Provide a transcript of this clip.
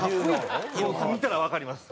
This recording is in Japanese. よく見たらわかります。